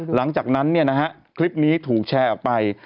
หลังจากนั้นคลิปนี้ถูกแชร์ออกไป